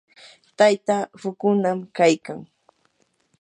taytaa rukunam kaykan.